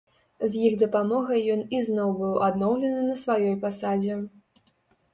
З іх дапамогай ён ізноў быў адноўлены на сваёй пасадзе.